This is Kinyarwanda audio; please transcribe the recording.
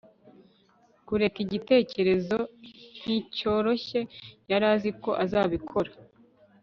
kureka igitekerezo nkicyoroshye. yari azi ko azabikora